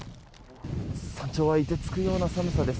山頂は凍てつくような寒さです。